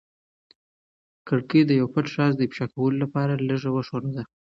کړکۍ د یو پټ راز د افشا کولو لپاره لږه وښورېده.